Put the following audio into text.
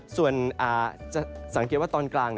ส่วนจะสังเกตว่าตอนกลาง